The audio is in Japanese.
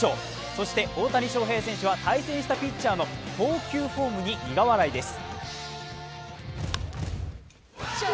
そして大谷翔平選手は対戦したピッチャーの投球フォームに苦笑いです。